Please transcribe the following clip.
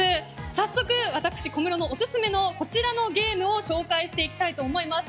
早速、私小室のオススメのゲームを紹介していきたいと思います。